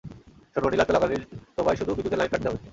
শোনো, নিলাম চলাকালীন তোমায় শুধু বিদ্যুতের লাইন কাটতে হবে।